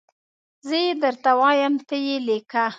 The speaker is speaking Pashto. زه یي درته وایم ته یي لیکه